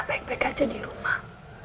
baik baik aja di rumah